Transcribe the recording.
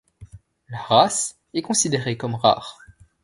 La race est considérée comme rare.